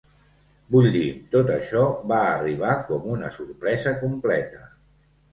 Vull dir, tot això va arribar com una sorpresa completa.